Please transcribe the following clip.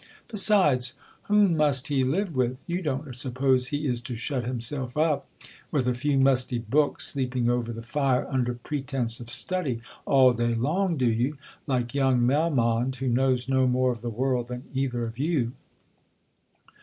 Besides, whom must he live with? You don't suppose he is to shut himself up, with a few musty books, sleeping over the fire, under pretence of study, all day long, do you ? like young Melmond, who knows no more of the world than either of you